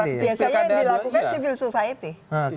biasanya yang dilakukan civil society